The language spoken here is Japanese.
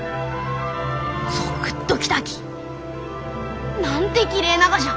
ゾクッときたき！なんてきれいながじゃ！